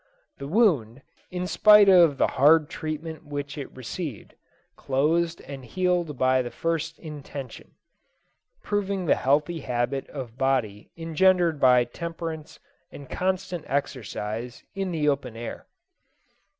The wound, in spite of the hard treatment which it received, closed and healed by the first intention proving the healthy habit of body engendered by temperance and constant exercise in the open air.